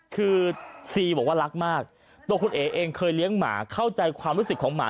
คือซีบอกว่ารักมากตัวคุณเอ๋เองเคยเลี้ยงหมาเข้าใจความรู้สึกของหมา